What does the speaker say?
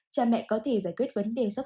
cha mẹ có thể giải quyết vấn đề sốc